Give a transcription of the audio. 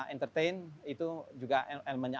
entertain itu juga elemennya